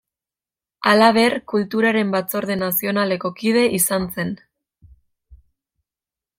Halaber, Kulturaren Batzorde Nazionaleko kide izan zen.